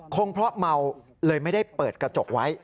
คงเพราะเมาเลยไม่ได้เปิดกระจกไว้